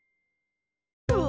うわ！